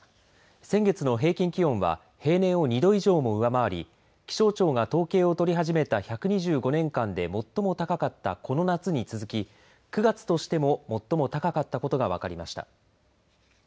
先月の平均気温は平年を２度以上も上回り気象庁が統計を取り始めた１２５年間で最も高かったこの夏に続き、９月としても最も高かったことが分かりました。